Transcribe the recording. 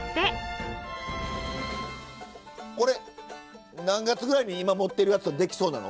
これ何月ぐらいに今持ってるやつはできそうなの？